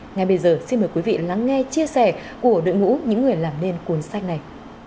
ngay bây giờ xin mời quý vị lắng nghe chia sẻ của đội ngũ những người làm nên cuốn sách này